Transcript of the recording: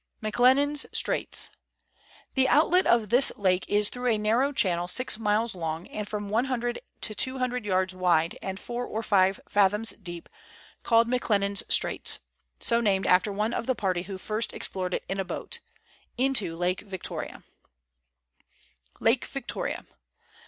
MCLENNAN'S STRAITS. The outlet of this lake is through a narrow channel six miles long, and from one hundred to two hundred yards wide, and four or five fathoms deep, called McLennan's Straits (so named after one of the party who first explored it in a boat), into Lake Victoria. 198 Letters from Victorian Pioneers. LAKE VICTORIA.